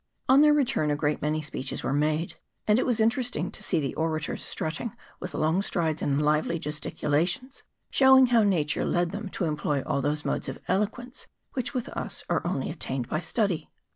On their return a great many speeches were made, and it was interesting to see the orators strutting with long strides and lively gesticulations, showing how nature led them to employ all those CHAP. III.] NATIVE CHIEFS. 93 modes of eloquence which with us are only attained by study.